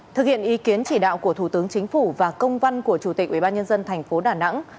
thực hiện ý kiến chỉ đạo của thủ tướng chính phủ và công văn của chủ tịch ubnd tp đà nẵng